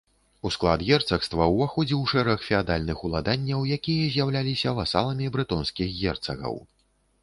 У склад герцагства ўваходзіў шэраг феадальных уладанняў, якія з'яўляліся васаламі брэтонскіх герцагаў.